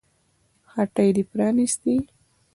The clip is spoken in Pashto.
هټۍ دې پرانيستې